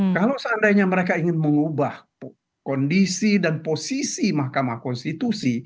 kalau seandainya mereka ingin mengubah kondisi dan posisi mahkamah konstitusi